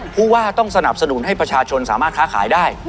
ผู้ว่าต้องสนับสนุนให้ประชาชนสามารถค้าขายได้